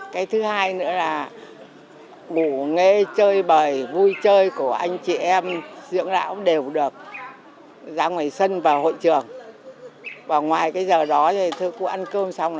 cái thứ hai nữa là ngủ nghê chơi bời vui chơi của anh chị em dưỡng lão đều được